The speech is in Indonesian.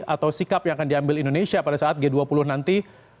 atau sikap yang akan diambil indonesia pada saat g dua puluh nanti